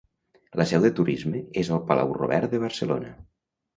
La seu de Turisme és al Palau Robert de Barcelona.